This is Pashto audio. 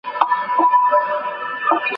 خپل پروفایل په پوره معلوماتو سره ډک کړئ.